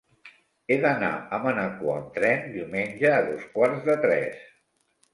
He d'anar a Manacor amb tren diumenge a dos quarts de tres.